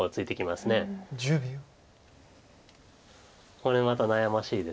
これまた悩ましいです。